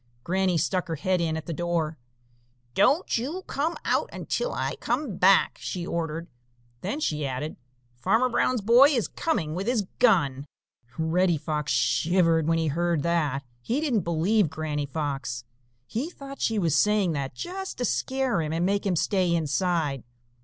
Granny stuck her head in at the door. "Don't you come out until I come back," she ordered. Then she added: "Farmer Brown's boy is coming with his gun." Reddy Fox shivered when he heard that. He didn't believe Granny Fox. He thought she was saying that just to scare him and make him stay inside.